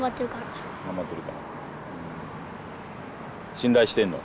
信頼してるの？